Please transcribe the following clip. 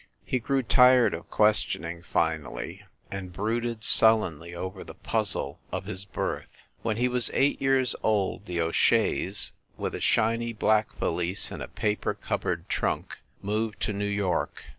He grew tired of ques tioning, finally, and brooded sullenly over the puzzle of his birth. When he was eight years old the O Sheas, with a shiny black valise and a paper covered trunk, moved to New York.